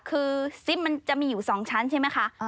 คือซิปมันจะมีอยู่๒ชั้นใช่ไหมคะ